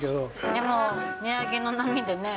でも値上げの波でね。